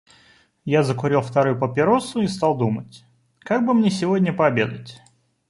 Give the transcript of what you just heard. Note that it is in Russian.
Я закурил вторую папиросу и стал думать, как бы мне сегодня пообедать.